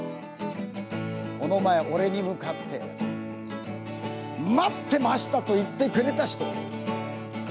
この前俺に向かって「待ってました！」と言ってくれた人。